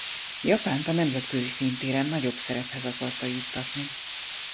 Japánt a nemzetközi színtéren nagyobb szerephez akarta juttatni.